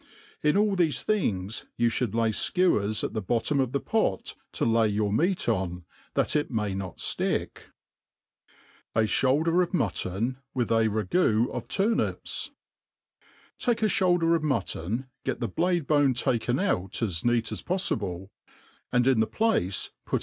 In a)l thefe thjngs you fhtould lay (kewers at the bottom of the pfot cb lay your meat on, that it may not flick. A Skdukfip of Mutton with a re^cnofTwrmpU TAI^E a (hoalder of mutton, get the blade bone take» oot as neat as poflSble, and in tr\z pFace put!